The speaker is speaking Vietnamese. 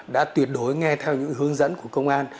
đã tuyệt đối nghe theo những hướng dẫn của công an